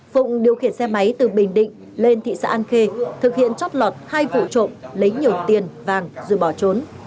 phụng điều khiển xe máy từ bình định lên thị xã an khê thực hiện chót lọt hai vụ trộm lấy nhiều tiền vàng rồi bỏ trốn